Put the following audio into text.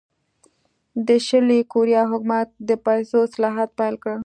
د شلي کوریا حکومت د پیسو اصلاحات پیل کړل.